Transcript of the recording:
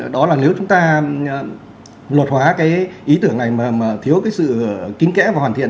đó là nếu chúng ta luật hóa cái ý tưởng này mà thiếu cái sự kín kẽ và hoàn thiện